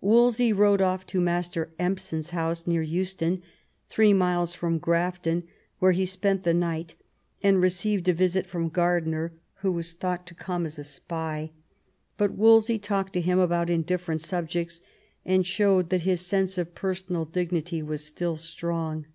Wolsey rode off to " Master Empson's house, called Euston, three miles from Grafton," where he spent the night, and received a visit from Gardiner, who was thought to come as a spy ; but Wolsey talked to him about indifferent subjects, and showed ihat his sense of personal dignity was still strong.